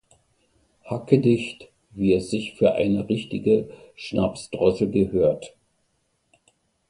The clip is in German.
Hackedicht, wie es sich für eine richtige Schnapsdrossel gehört.